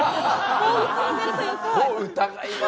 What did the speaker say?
もう疑いますね！